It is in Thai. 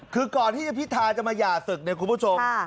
คือก่อนที่พิธาจะมาหย่าศึกเนี่ยคุณผู้ชม